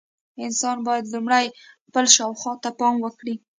انسان باید لومړی خپل شاوخوا ته پام وکړي.